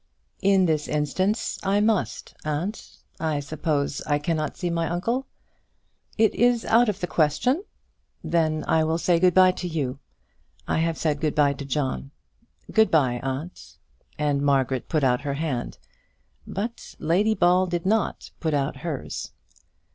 "In this instance I must, aunt. I suppose I cannot see my uncle?" "It is quite out of the question." "Then I will say good bye to you. I have said good bye to John. Good bye, aunt," and Margaret put out her hand. But Lady Ball did not put out hers.